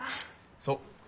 そう。